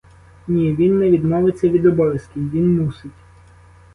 Ні, він не відмовиться від обов'язків, він мусить!